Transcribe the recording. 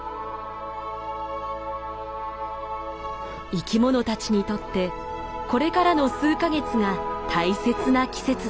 生きものたちにとってこれからの数か月が大切な季節だ。